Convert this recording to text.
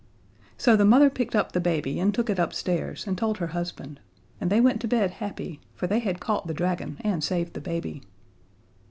So the mother picked up the baby and took it upstairs and told her husband, and they went to bed happy, for they had caught the dragon and saved the baby.